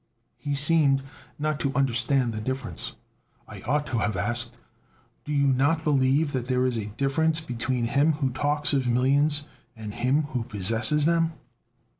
He seemed not to understand the difference. I ought to have asked: "Do you not believe that there is any difference between him who talks of millions and him who possesses them?"